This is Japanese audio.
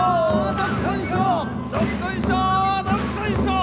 どっこいしょー